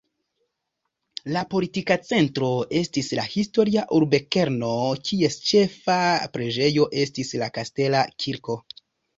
La politika centro estis la historia urbokerno, kies ĉefa preĝejo estis la kastela kirko.